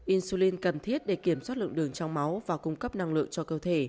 insulin cần thiết để kiểm soát lượng đường trong máu và cung cấp năng lượng